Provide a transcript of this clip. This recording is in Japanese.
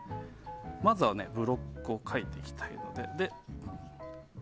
まずはブロックを描いていきたいので。